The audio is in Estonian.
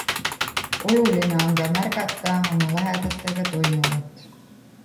Oluline on ka märgata oma lähedastega toimuvat.